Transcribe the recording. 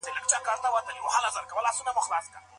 د ټولنپوهنې تاریخ په غور سره ولولئ.